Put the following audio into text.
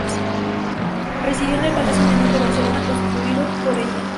Residió en el Palacio Menor de Barcelona, construido para ella.